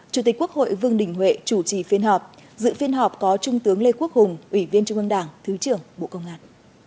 chủ tịch quốc hội vương đình huệ chủ trì phiên họp dự phiên họp có trung tướng lê quốc hùng ủy viên trung ương đảng thứ trưởng bộ công an